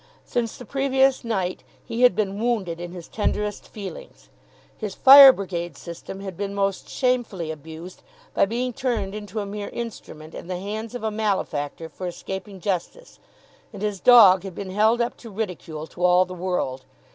Since the previous night he had been wounded in his tenderest feelings. His Fire Brigade system had been most shamefully abused by being turned into a mere instrument in the hands of a malefactor for escaping justice, and his dog had been held up to ridicule to all the world.